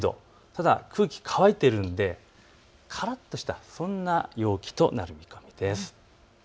ただ空気が乾いているのでからっとしたそんな陽気となる見込みです。